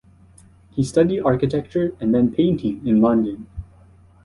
He studied architecture and then painting in London.